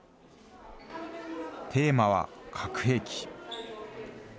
テーマは核兵器。